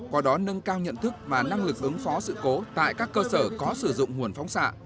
qua đó nâng cao nhận thức và năng lực ứng phó sự cố tại các cơ sở có sử dụng nguồn phóng xạ